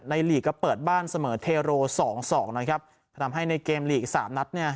ลีกก็เปิดบ้านเสมอเทโรสองสองนะครับทำให้ในเกมลีกสามนัดเนี่ย